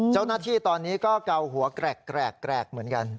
เจ้าหน้าที่ตอนนี้ก็เกาหัวแกรกเหมือนกัน